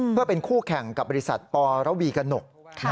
เพื่อเป็นคู่แข่งกับบริษัทปรวีกระหนก